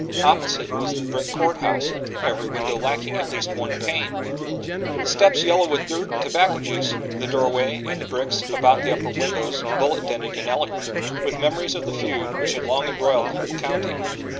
Opposite was the brick Court House every window lacking at least one pane, the steps yellow with dirt and tobacco juice, the doorway and the bricks about the upper windows bullet dented and eloquent with memories of the feud which had long embroiled the whole county.